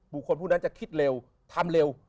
ผู้นั้นจะคิดเร็วทำเร็ว